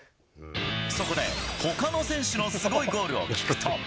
そこで、ほかの選手のすごいゴールを聞くと。